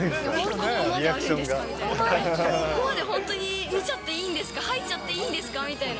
ここまであるんですかみたいな、ここまで本当に見ちゃっていいんですか、入っちゃっていいんですかみたいな。